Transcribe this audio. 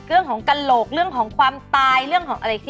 เรื่องของกระโหลกเรื่องของความตายเรื่องของอะไรที่